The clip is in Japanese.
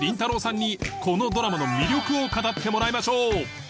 さんにこのドラマの魅力を語ってもらいましょう